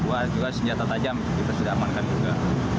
dua juga senjata tajam kita sudah amankan juga